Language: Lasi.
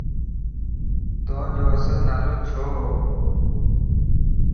تو جو اصل نالو ڇو و؟